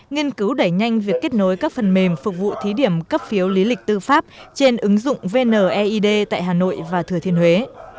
nghiên cứu đẩy nhanh việc kết nối các phần mềm phục vụ thí điểm cấp phiếu lý lịch tư pháp trên ứng dụng vneid tại hà nội và thừa thiên huế